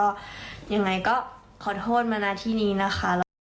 ก็ยังไงก็ขอโทษมานะที่นี้นะคะ